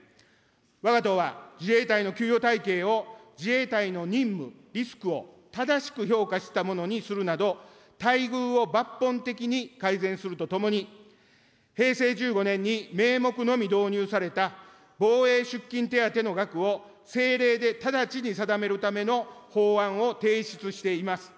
わが党は自衛隊の給与体系を自衛隊の任務・リスクを正しく評価したものにするなど、待遇を抜本的に改善するとともに、平成１５年に名目のみ導入された防衛出勤手当の額を政令で直ちに定めるための法案を提出しています。